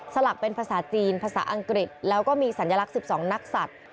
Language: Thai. สลักเป็นภาษาจีนภาษาอังกฤษแล้วก็มีสัญลักษณ์๑๒นักศัตริย์